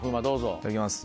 いただきます。